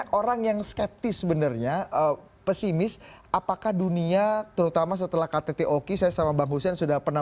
sebagai yang saya ingin memberikan predsyamasi terhadap keputusanvarian di anggaran multitasarnya